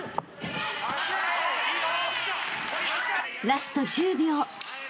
［ラスト１０秒］